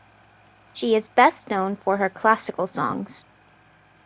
She is best known for her classical songs.